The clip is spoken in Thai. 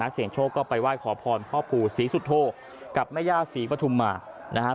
เสียงโชคก็ไปไหว้ขอพรพ่อปู่ศรีสุโธกับแม่ย่าศรีปฐุมมานะฮะ